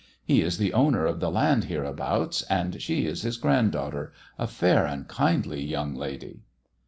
He is the owner of the land hereabouts, and she is his grand daughter — a fair and kindly young lady."